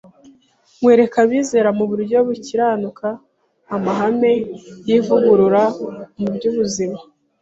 kwereka abizera mu buryo bukiranuka amahame y’ivugurura mu by’ubuzima